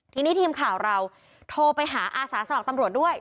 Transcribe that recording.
ทีนี้ทีมข่าวเราโทรไปหาอาสาสมัครตำรวจด้วย